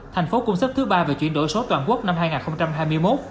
tp hcm cũng sớt thứ ba về chuyển đổi số toàn quốc năm hai nghìn hai mươi một